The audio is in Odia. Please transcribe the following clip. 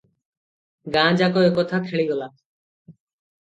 ଗାଁ ଯାକ ଏ କଥା ଖେଳିଗଲା ।